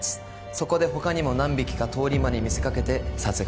そこで他にも何匹か通り魔に見せかけて殺害した。